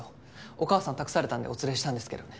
お母さん託されたんでお連れしたんですけどね。